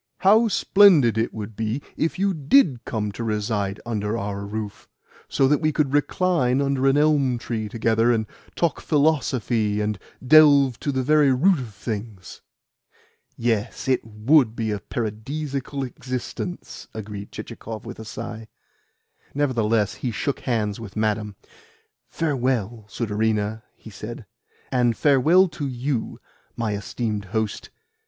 "How splendid it would be if you DID come to reside under our roof, so that we could recline under an elm tree together, and talk philosophy, and delve to the very root of things!" "Yes, it WOULD be a paradisaical existence!" agreed Chichikov with a sigh. Nevertheless he shook hands with Madame. "Farewell, sudarina," he said. "And farewell to YOU, my esteemed host.